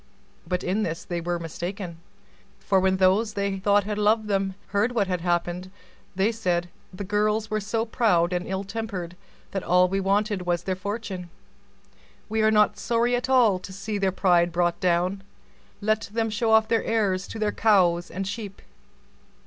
But in this they were mistaken; for when the lovers heard what had happened, they said, "The girls were so proud and ill tempered, that all we wanted was their fortune; we are not sorry at all to see their pride brought down; let them show off their airs to their cows and sheep."